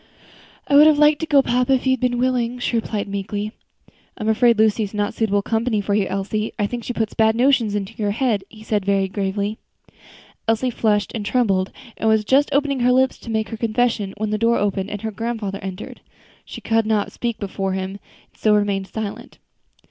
"I would have liked to go, papa, if you had been willing," she replied meekly. "I am afraid Lucy is not a suitable companion for you, Elsie. I think she puts bad notions into your head," he said very gravely. Elsie flushed and trembled, and was just opening her lips to make her confession, when the door opened and her grandfather entered. She could not speak before him, and so remained silent.